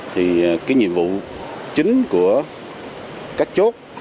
thì cái nhiệm vụ chính của các chốt